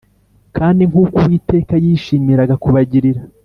Kandi nk uko Uwiteka yishimiraga kubagirira